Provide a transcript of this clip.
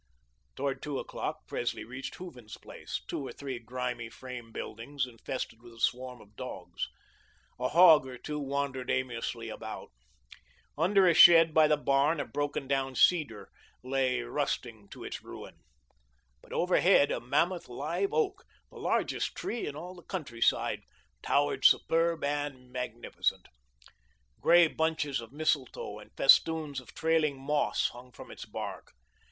Toward two o'clock, Presley reached Hooven's place, two or three grimy frame buildings, infested with a swarm of dogs. A hog or two wandered aimlessly about. Under a shed by the barn, a broken down seeder lay rusting to its ruin. But overhead, a mammoth live oak, the largest tree in all the country side, towered superb and magnificent. Grey bunches of mistletoe and festoons of trailing moss hung from its bark.